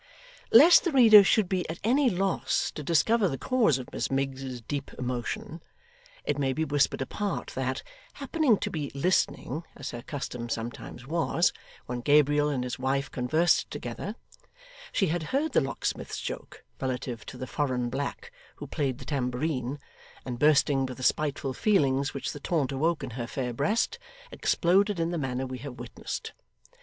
Lest the reader should be at any loss to discover the cause of Miss Miggs's deep emotion, it may be whispered apart that, happening to be listening, as her custom sometimes was, when Gabriel and his wife conversed together, she had heard the locksmith's joke relative to the foreign black who played the tambourine, and bursting with the spiteful feelings which the taunt awoke in her fair breast, exploded in the manner we have witnessed.